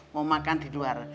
mau makan di luar